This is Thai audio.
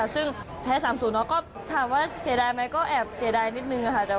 ซึ่งแพ้๓๐เนาะก็ถามว่าเสียดายไหมก็แอบเสียดายนิดนึงค่ะ